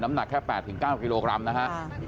หนักแค่๘๙กิโลกรัมนะฮะ